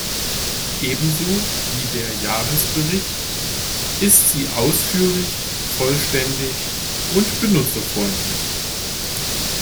Ebenso wie der Jahresbericht ist sie ausführlich, vollständig und benutzerfreundlich.